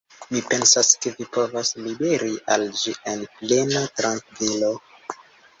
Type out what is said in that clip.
Mi pensas, ke vi povas liveri al ĝi en plena trankvilo.